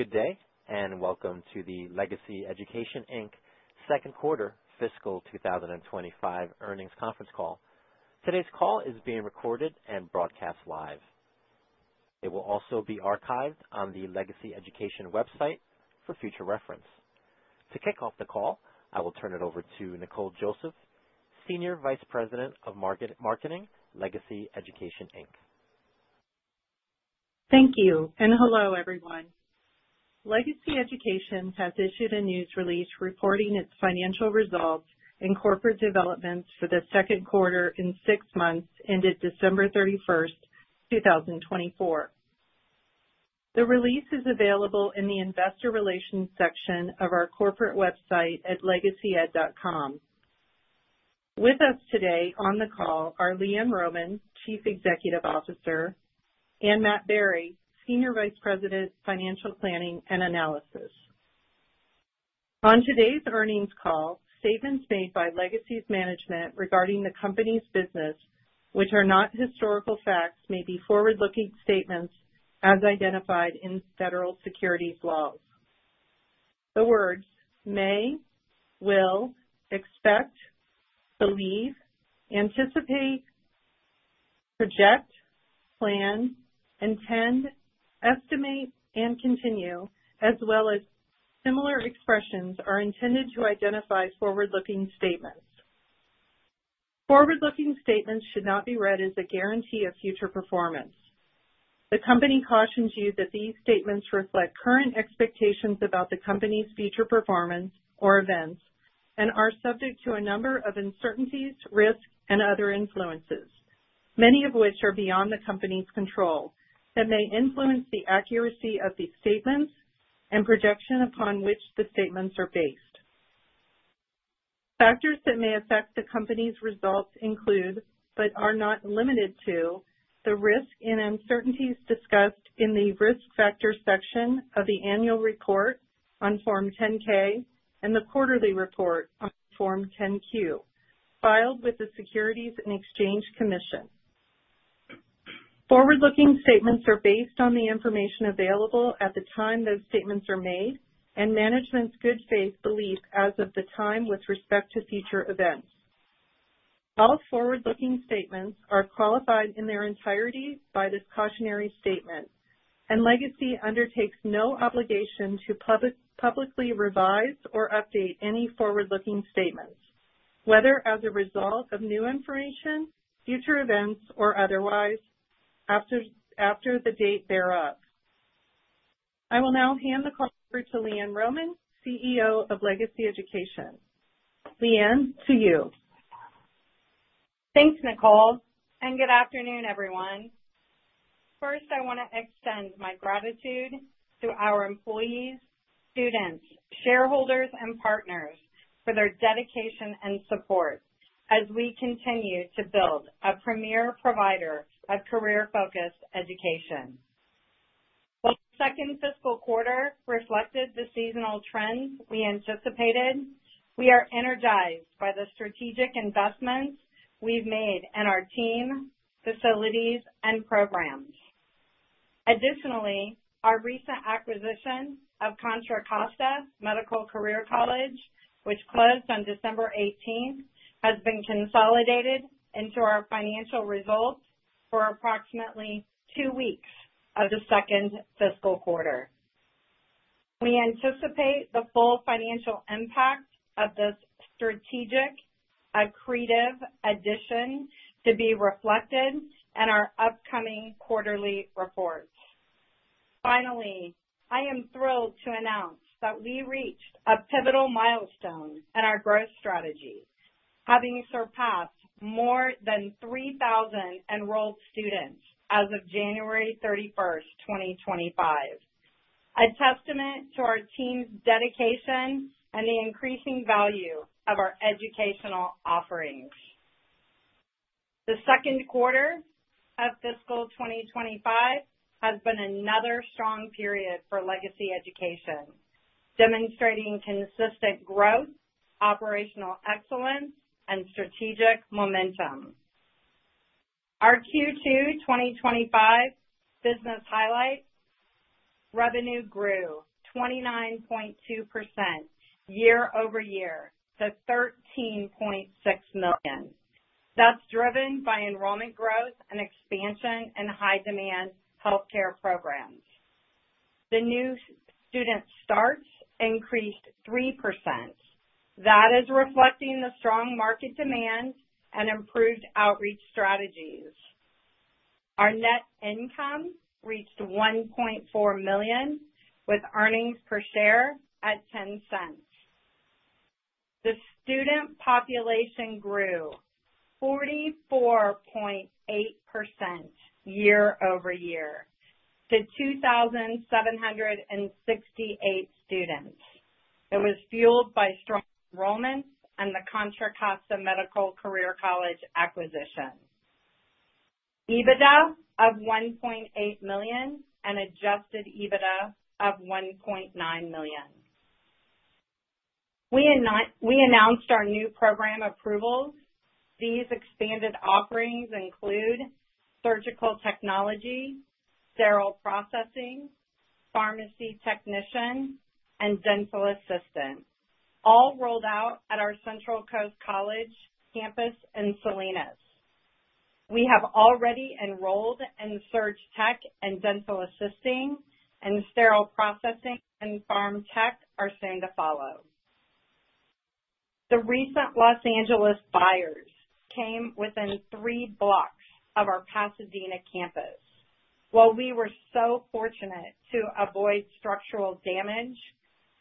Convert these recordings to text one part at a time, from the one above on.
Good day, and welcome to the Legacy Education Inc second quarter fiscal 2025 earnings conference call. Today's call is being recorded and broadcast live. It will also be archived on the Legacy Education website for future reference. To kick off the call, I will turn it over to Nicole Joseph, Senior Vice President of Marketing at Legacy Education. Thank you, and hello everyone. Legacy Education has issued a news release reporting its financial results and corporate developments for the second quarter in six months ended December 31st, 2024. The release is available in the Investor Relations section of our corporate website at legacyed.com. With us today on the call are LeeAnn Rohmann, Chief Executive Officer, and Matt Berry, Senior Vice President, Financial Planning and Analysis. On today's earnings call, statements made by Legacy's management regarding the company's business, which are not historical facts, may be forward-looking statements as identified in federal securities law. The words may, will, expect, believe, anticipate, project, plan, intend, estimate, and continue, as well as similar expressions, are intended to identify forward-looking statements. Forward-looking statements should not be read as a guarantee of future performance. The company cautions you that these statements reflect current expectations about the company's future performance or events and are subject to a number of uncertainties, risks, and other influences, many of which are beyond the company's control, that may influence the accuracy of the statements and projection upon which the statements are based. Factors that may affect the company's results include, but are not limited to, the risk and uncertainties discussed in the risk factor section of the annual report on Form 10-K and the quarterly report on Form 10-Q filed with the Securities and Exchange Commission. Forward-looking statements are based on the information available at the time those statements are made and management's good faith belief as of the time with respect to future events. All forward-looking statements are qualified in their entirety by this cautionary statement, and Legacy undertakes no obligation to publicly revise or update any forward-looking statements, whether as a result of new information, future events, or otherwise, after the date thereof. I will now hand the call over to LeeAnn Rohmann, CEO of Legacy Education. LeeAnn, to you. Thanks, Nicole, and good afternoon, everyone. First, I want to extend my gratitude to our employees, students, shareholders, and partners for their dedication and support as we continue to build a premier provider of career-focused education. While the second fiscal quarter reflected the seasonal trends we anticipated, we are energized by the strategic investments we've made in our team, facilities, and programs. Additionally, our recent acquisition of Contra Costa Medical Career College, which closed on December 18th, has been consolidated into our financial results for approximately two weeks of the second fiscal quarter. We anticipate the full financial impact of this strategic, accretive addition to be reflected in our upcoming quarterly reports. Finally, I am thrilled to announce that we reached a pivotal milestone in our growth strategy, having surpassed more than 3,000 enrolled students as of January 31st, 2025, a testament to our team's dedication and the increasing value of our educational offerings. The second quarter of fiscal 2025 has been another strong period for Legacy Education, demonstrating consistent growth, operational excellence, and strategic momentum. Our Q2 2025 business highlights: revenue grew 29.2% year-over-year to $13.6 million. That's driven by enrollment growth and expansion in high-demand healthcare programs. The new student starts increased 3%. That is reflecting the strong market demand and improved outreach strategies. Our net income reached $1.4 million, with earnings per share at $0.10. The student population grew 44.8% year-over-year to 2,768 students. It was fueled by strong enrollment and the Contra Costa Medical Career College acquisition, EBITDA of $1.8 million, and Adjusted EBITDA of $1.9 million. We announced our new program approvals. These expanded offerings include Surgical Technology, Sterile Processing, Pharmacy Technician, and Dental Assisting, all rolled out at our Central Coast College campus in Salinas. We have already enrolled in Surg Tech and Dental Assisting, and Sterile Processing and Pharm Tech are soon to follow. The recent Los Angeles fires came within three blocks of our Pasadena campus. While we were so fortunate to avoid structural damage,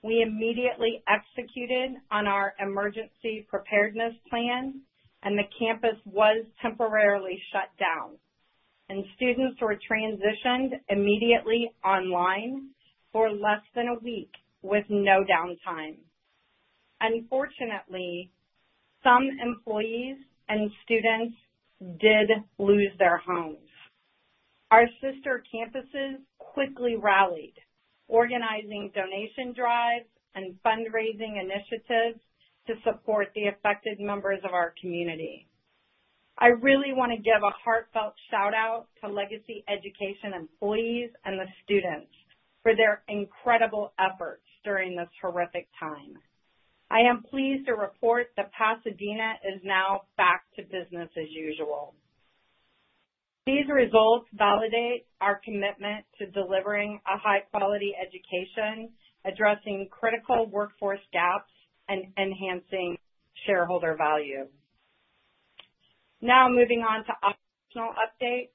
we immediately executed on our emergency preparedness plan, and the campus was temporarily shut down. Students were transitioned immediately online for less than a week with no downtime. Unfortunately, some employees and students did lose their homes. Our sister campuses quickly rallied, organizing donation drives and fundraising initiatives to support the affected members of our community. I really want to give a heartfelt shout-out to Legacy Education employees and the students for their incredible efforts during this horrific time. I am pleased to report that Pasadena is now back to business as usual. These results validate our commitment to delivering a high-quality education, addressing critical workforce gaps, and enhancing shareholder value. Now, moving on to optional updates.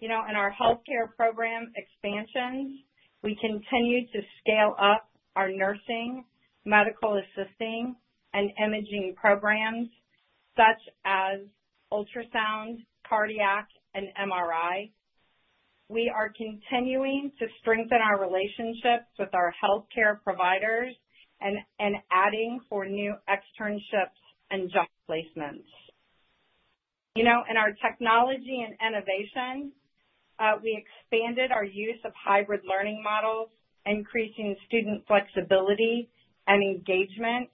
You know, in our healthcare program expansions, we continue to scale up our Nursing, Medical Assisting, and imaging programs such as Ultrasound, Cardiac, and MRI. We are continuing to strengthen our relationships with our healthcare providers and adding four new externships and job placements. You know, in our technology and innovation, we expanded our use of hybrid learning models, increasing student flexibility and engagement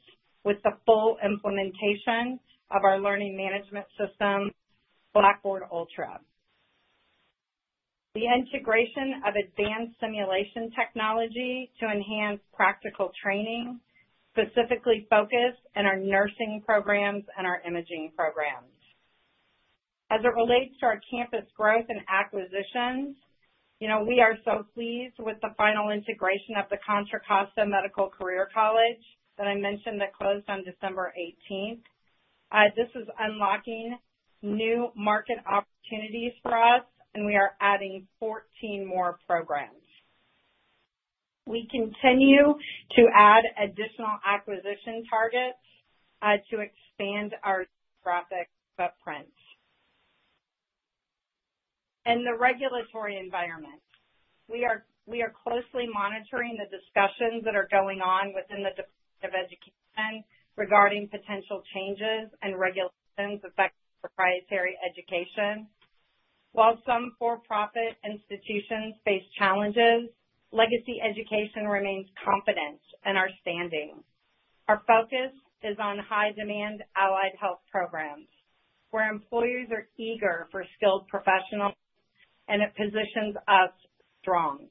with the full implementation of our learning management system, Blackboard Ultra. The integration of advanced simulation technology to enhance practical training specifically focused in our Nursing programs and our imaging programs. As it relates to our campus growth and acquisitions, you know, we are so pleased with the final integration of the Contra Costa Medical Career College that I mentioned that closed on December 18th. This is unlocking new market opportunities for us, and we are adding 14 more programs. We continue to add additional acquisition targets to expand our demographic footprint. In the regulatory environment, we are closely monitoring the discussions that are going on within the Department of Education regarding potential changes and regulations affecting proprietary education. While some for-profit institutions face challenges, Legacy Education remains confident in our standing. Our focus is on high-demand allied health programs, where employers are eager for skilled professionals, and it positions us strong.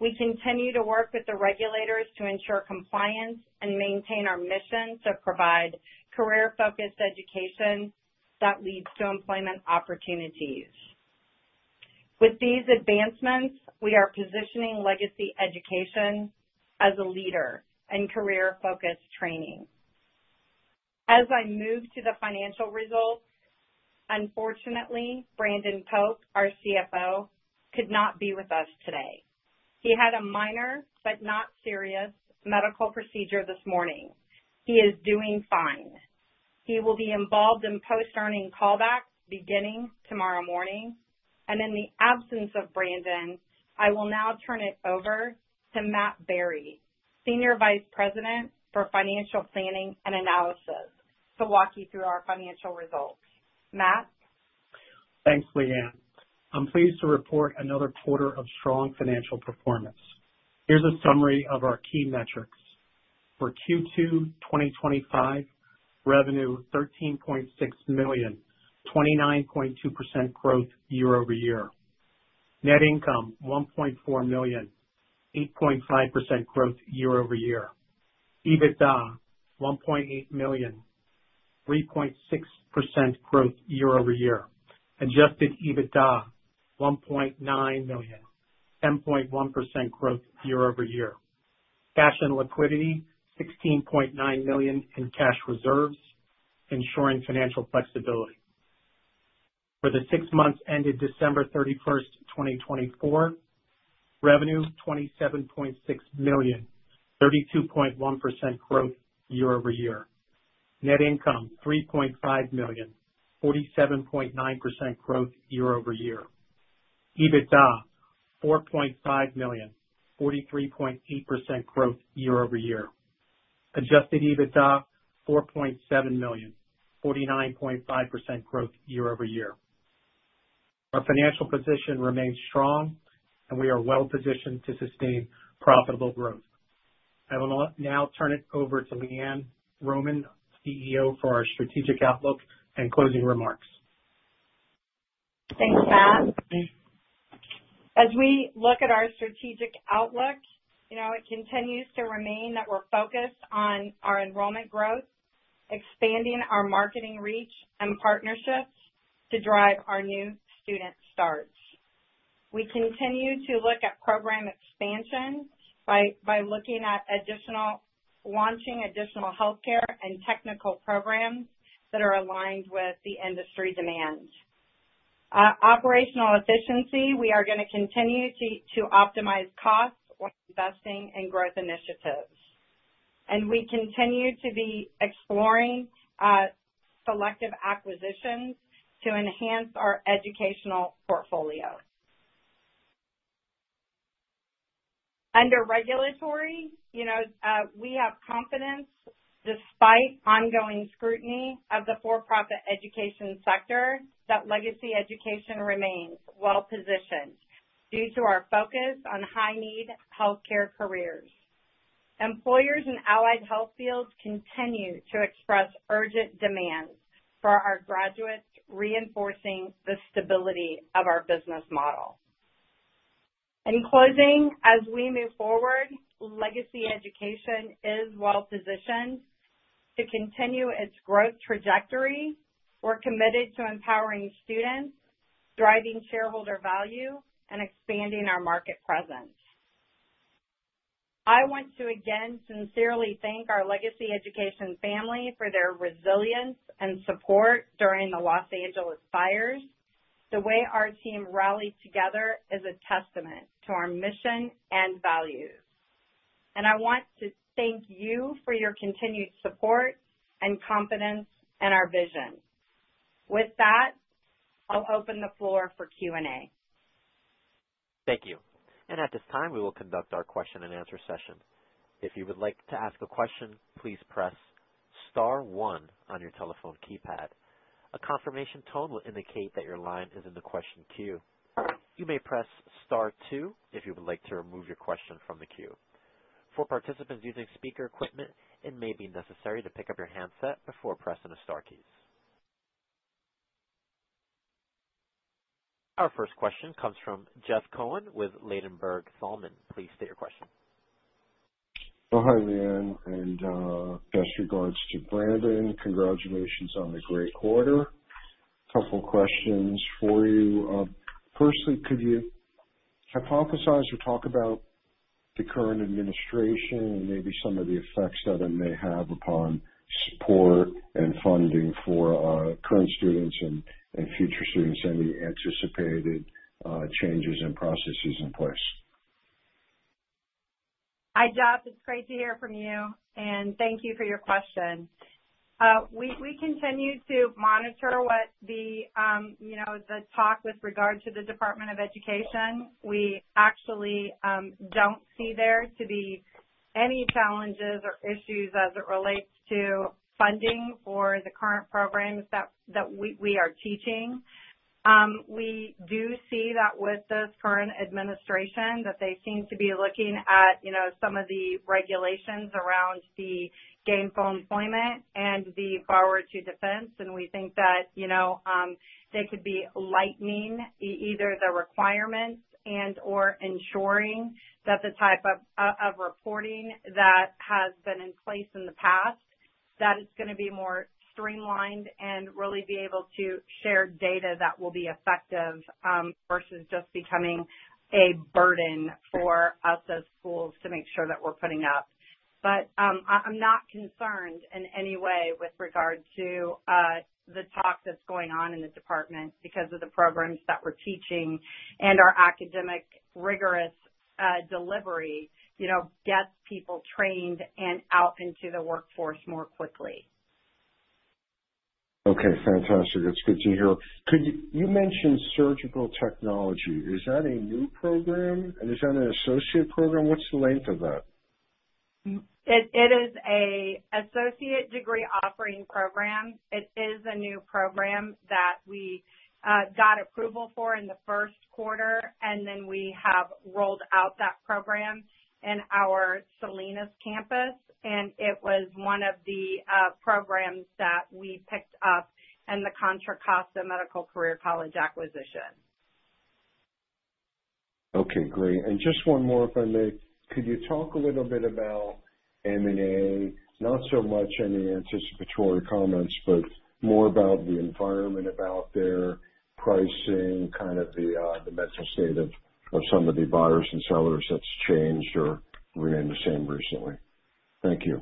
We continue to work with the regulators to ensure compliance and maintain our mission to provide career-focused education that leads to employment opportunities. With these advancements, we are positioning Legacy Education as a leader in career-focused training. As I move to the financial results, unfortunately, Brandon Pope, our CFO, could not be with us today. He had a minor but not serious medical procedure this morning. He is doing fine. He will be involved in post-earnings callbacks beginning tomorrow morning. In the absence of Brandon, I will now turn it over to Matt Berry, Senior Vice President for Financial Planning and Analysis, to walk you through our financial results. Matt. Thanks, LeeAnn. I'm pleased to report another quarter of strong financial performance. Here's a summary of our key metrics. For Q2 2025, revenue $13.6 million, 29.2% growth year-over-year. Net income $1.4 million, 8.5% growth year-over-year. EBITDA $1.8 million, 3.6% growth year-over-year. Adjusted EBITDA $1.9 million, 10.1% growth year-over-year. Cash and liquidity $16.9 million in cash reserves, ensuring financial flexibility. For the six months ended December 31st, 2024, revenue $27.6 million, 32.1% growth year-over-year. Net income $3.5 million, 47.9% growth year-over-year. EBITDA $4.5 million, 43.8% growth year-over-year. Adjusted EBITDA $4.7 million, 49.5% growth year-over-year. Our financial position remains strong, and we are well positioned to sustain profitable growth. I will now turn it over to LeeAnn Rohmann, CEO, for our strategic outlook and closing remarks. Thanks, Matt. As we look at our strategic outlook, you know, it continues to remain that we're focused on our enrollment growth, expanding our marketing reach and partnerships to drive our new student starts. We continue to look at program expansion by looking at launching additional healthcare and technical programs that are aligned with the industry demand. Operational efficiency, we are going to continue to optimize costs while investing in growth initiatives. We continue to be exploring selective acquisitions to enhance our educational portfolio. Under regulatory, you know, we have confidence despite ongoing scrutiny of the for-profit education sector that Legacy Education remains well positioned due to our focus on high-need healthcare careers. Employers in allied health fields continue to express urgent demands for our graduates, reinforcing the stability of our business model. In closing, as we move forward, Legacy Education is well positioned to continue its growth trajectory. We're committed to empowering students, driving shareholder value, and expanding our market presence. I want to again sincerely thank our Legacy Education family for their resilience and support during the Los Angeles fires. The way our team rallied together is a testament to our mission and values. I want to thank you for your continued support and confidence in our vision. With that, I'll open the floor for Q&A. Thank you. At this time, we will conduct our question-and-answer session. If you would like to ask a question, please press star one on your telephone keypad. A confirmation tone will indicate that your line is in the question queue. You may press star two if you would like to remove your question from the queue. For participants using speaker equipment, it may be necessary to pick up your handset before pressing the star keys. Our first question comes from Jeff Cohen with Ladenburg Thalmann. Please state your question. Oh, hi, LeeAnn. Best regards to Brandon. Congratulations on the great quarter. A couple of questions for you. Firstly, could you hypothesize or talk about the current administration and maybe some of the effects that it may have upon support and funding for current students and future students? Any anticipated changes and processes in place? Hi, Jeff. It's great to hear from you. Thank you for your question. We continue to monitor what the, you know, the talk with regard to the Department of Education. We actually don't see there to be any challenges or issues as it relates to funding for the current programs that we are teaching. We do see that with this current administration that they seem to be looking at, you know, some of the regulations around the Gainful Employment and the Borrower Defense. We think that, you know, they could be lightening either the requirements and/or ensuring that the type of reporting that has been in place in the past, that it's going to be more streamlined and really be able to share data that will be effective versus just becoming a burden for us as schools to make sure that we're putting up. I'm not concerned in any way with regard to the talk that's going on in the department because of the programs that we're teaching and our academic rigorous delivery, you know, gets people trained and out into the workforce more quickly. Okay. Fantastic. That's good to hear. Could you mention Surgical Technology? Is that a new program? And is that an associate program? What's the length of that? It is an associate degree offering program. It is a new program that we got approval for in the first quarter, and we have rolled out that program in our Salinas campus. It was one of the programs that we picked up in the Contra Costa Medical Career College acquisition. Okay. Great. Just one more, if I may. Could you talk a little bit about M&A? Not so much any anticipatory comments, but more about the environment, about their pricing, kind of the mental state of some of the buyers and sellers that's changed or remained the same recently? Thank you.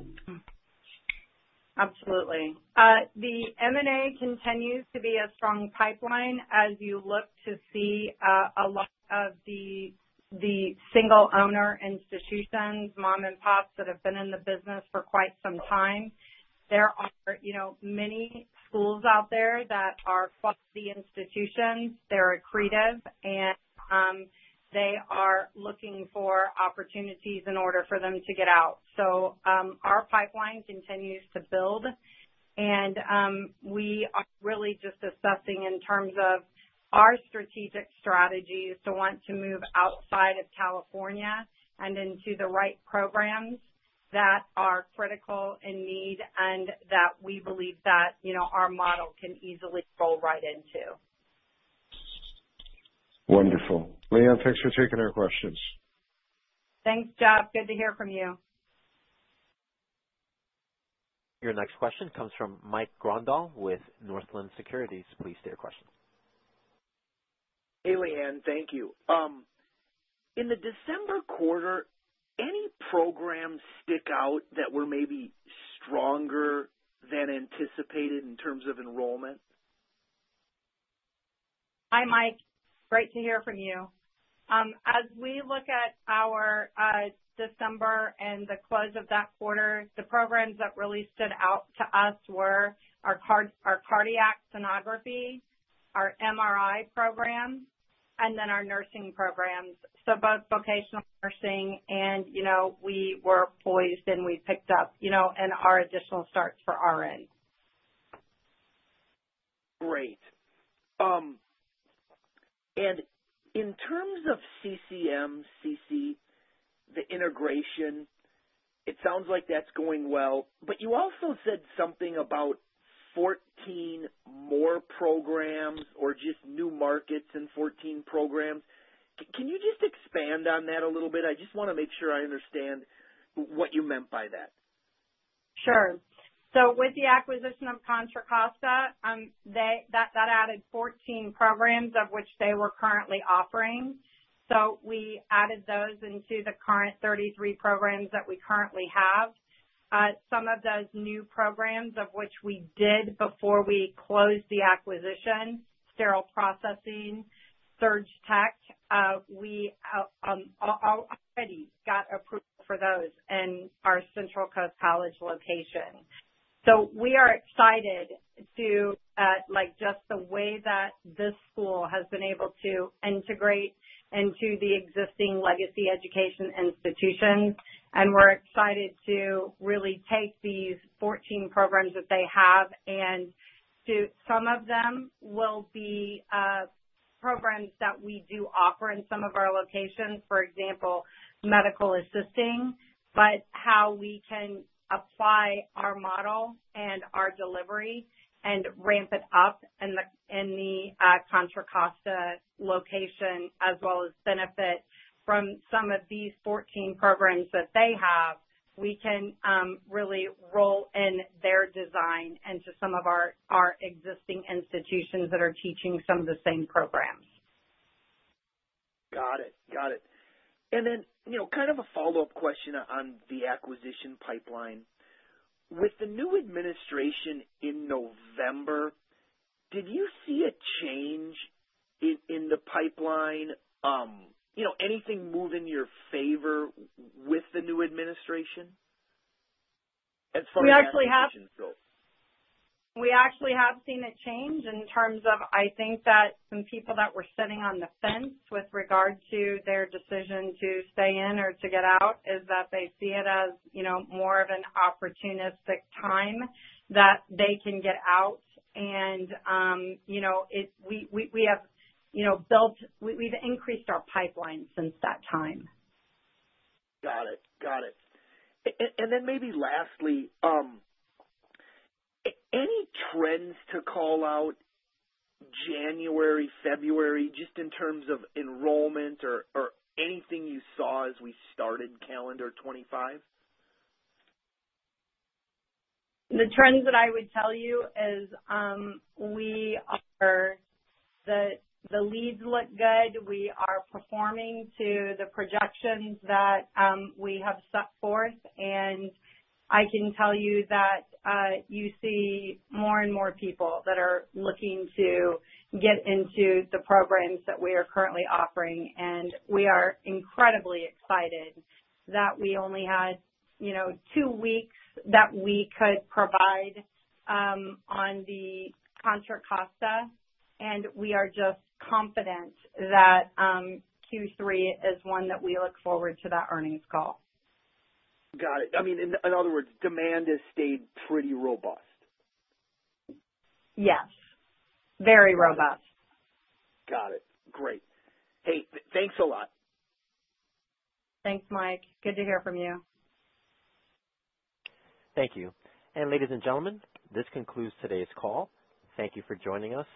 Absolutely. The M&A continues to be a strong pipeline as you look to see a lot of the single-owner institutions, mom and pops that have been in the business for quite some time. There are, you know, many schools out there that are quality institutions. They're accretive, and they are looking for opportunities in order for them to get out. Our pipeline continues to build. We are really just assessing in terms of our strategic strategies to want to move outside of California and into the right programs that are critical in need and that we believe that, you know, our model can easily roll right into. Wonderful. LeeAnn, thanks for taking our questions. Thanks, Jeff. Good to hear from you. Your next question comes from Mike Grondahl with Northland Securities. Please state your question. Hey, LeeAnn. Thank you. In the December quarter, any programs stick out that were maybe stronger than anticipated in terms of enrollment? Hi, Mike. Great to hear from you. As we look at our December and the close of that quarter, the programs that really stood out to us were our Cardiac Sonography, our MRI program, and our Nursing programs. Both Vocational Nursing and, you know, we were poised and we picked up, you know, in our additional starts for RN. Great. In terms of CCMCC, the integration, it sounds like that's going well. You also said something about 14 more programs or just new markets and 14 programs. Can you just expand on that a little bit? I just want to make sure I understand what you meant by that. Sure. With the acquisition of Contra Costa, that added 14 programs of which they were currently offering. We added those into the current 33 programs that we currently have. Some of those new programs, of which we did before we closed the acquisition, Sterile Processing, Surg Tech, we already got approval for those in our Central Coast College location. We are excited to, like, just the way that this school has been able to integrate into the existing Legacy Education institution. We're excited to really take these 14 programs that they have and do some of them will be programs that we do offer in some of our locations, for example, Medical Assisting, but how we can apply our model and our delivery and ramp it up in the Contra Costa location as well as benefit from some of these 14 programs that they have. We can really roll in their design into some of our existing institutions that are teaching some of the same programs. Got it. Got it. You know, kind of a follow-up question on the acquisition pipeline. With the new administration in November, did you see a change in the pipeline, you know, anything move in your favor with the new administration as far as acquisition goes? We actually have seen a change in terms of, I think, that some people that were sitting on the fence with regard to their decision to stay in or to get out is that they see it as, you know, more of an opportunistic time that they can get out. You know, we have, you know, built, we've increased our pipeline since that time. Got it. Got it. Maybe lastly, any trends to call out January, February, just in terms of enrollment or anything you saw as we started calendar 2025? The trends that I would tell you is we are the leads look good. We are performing to the projections that we have set forth. I can tell you that you see more and more people that are looking to get into the programs that we are currently offering. We are incredibly excited that we only had, you know, two weeks that we could provide on the Contra Costa. We are just confident that Q3 is one that we look forward to that earnings call. Got it. I mean, in other words, demand has stayed pretty robust. Yes. Very robust. Got it. Great. Hey, thanks a lot. Thanks, Mike. Good to hear from you. Thank you. Ladies and gentlemen, this concludes today's call. Thank you for joining us.